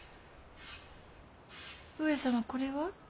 上様これは。